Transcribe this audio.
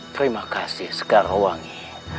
terima kasih sekarawangi